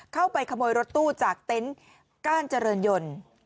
เข้าไปขโมยรถตู้จากเต็นต์ก้านเจริญยนต์